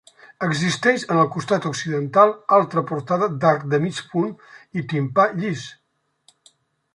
Existeix en el costat occidental altra portada d'arc de mig punt i timpà llis.